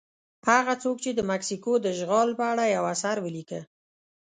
هغه څوک چې د مکسیکو د اشغال په اړه یو اثر ولیکه.